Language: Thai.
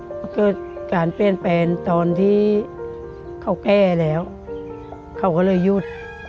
ก็ป้องกันกันมากขึ้นเป็นแปลนตอนที่เขาแก้แล้วเขาก็เลยหยุด